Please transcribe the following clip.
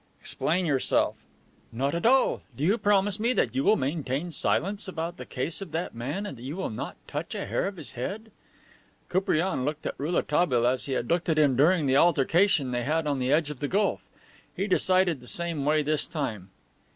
"Explain yourself." "Not at all. Do you promise me that you will maintain silence about the case of that man and that you will not touch a hair of his head?" Koupriane looked at Rouletabille as he had looked at him during the altercation they had on the edge of the Gulf. He decided the same way this time.